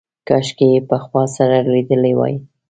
کاشکې یې پخوا سره لیدلي وای.